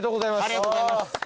ありがとうございます。